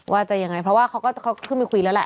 ว่าจะยังไงเพราะว่าเขาก็ขึ้นไปคุยแล้วแหละ